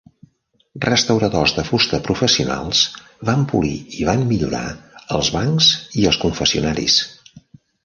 Restauradors de fusta professionals van polir i van millorar els bancs i els confessionaris.